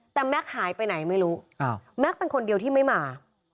แต่แม็กซ์หายไปไหนไม่รู้แม็กซ์เป็นคนเดียวที่ไม่มา